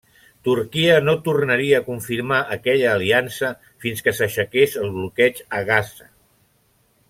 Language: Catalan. Turquia no tornaria a confirmar aquella aliança fins que s'aixequés el bloqueig a Gaza.